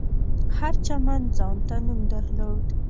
هر چمن ځانته نوم درلود.